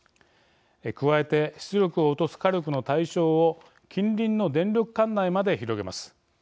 加えて、出力を落とす火力の対象を近隣の電力管内まで広げます。